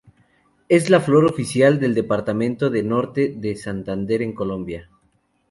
Es la flor oficial del departamento de Norte de Santander en Colombia.